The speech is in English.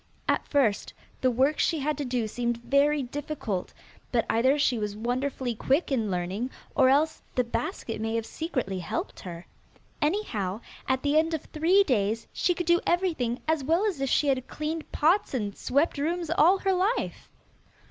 At first the work she had to do seemed very difficult, but either she was wonderfully quick in learning, or else the basket may have secretly helped her. Anyhow at the end of three days she could do everything as well as if she had cleaned pots and swept rooms all her life.